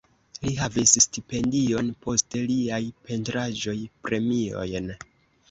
Li havis stipendion, poste liaj pentraĵoj premiojn.